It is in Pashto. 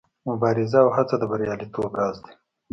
مبارزه او هڅه د بریالیتوب راز دی.